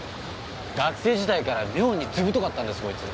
学生時代から妙にずぶとかったんですこいつ。